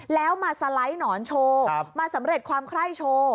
แล้วมาสไลด์หนอนโชว์มาสำเร็จความไคร้โชว์